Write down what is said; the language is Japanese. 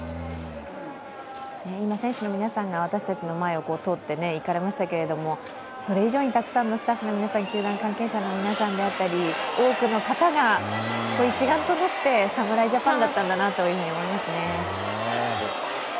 今、選手の皆さんが私たちの前を通っていかれましたけれども、それ以上にたくさんのスタッフの皆さん、球団関係者の皆さんであったり、多くの方が一丸となって侍ジャパンだったんだなと思いますね。